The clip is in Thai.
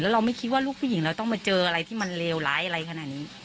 เราไม่คิดว่าลูกผู้หญิงเราต้องมาเจออะไรที่มันเลวร้ายอะไรขนาดนี้